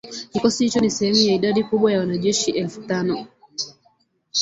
Kikosi hicho ni sehemu ya idadi kubwa ya wanajeshi elfu tano